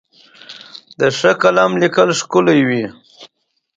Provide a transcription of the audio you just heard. د ښه قلم لیک ښکلی وي.